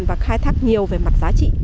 và khai thác nhiều về mặt giá trị